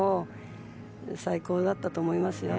最高だったと思います。